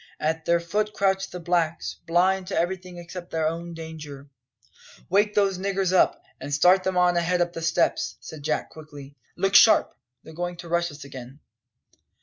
At their foot crouched the blacks, blind to everything except their own danger. . "Wake those niggers up, and start them on ahead up the steps!" said Jack quickly. "Look sharp! they're going to rush us again."